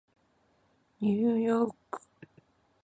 ニューヨーク